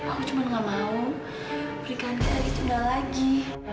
aku cuma gak mau perikan kita itu udah lagi